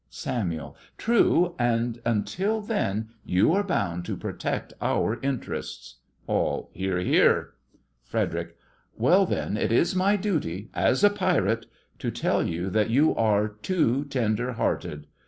SAMUEL: True, and until then you are bound to protect our interests. ALL: Hear, hear! FREDERIC: Well, then, it is my duty, as a pirate, to tell you that you are too tender hearted.